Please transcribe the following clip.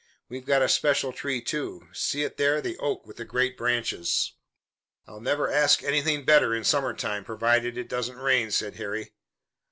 We've got a special tree, too. See it there, the oak with the great branches." "I'll never ask anything better in summer time, provided it doesn't rain," said Harry.